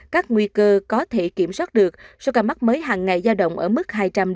các nguy cơ có thể kiểm soát được so với cả mắt mới hàng ngày gia động ở mức hai trăm linh ba trăm linh